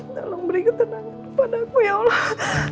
tolong beri ketenangan kepada aku ya allah